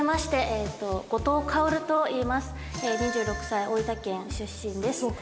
２６歳大分県出身です。